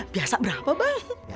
biasa berapa bang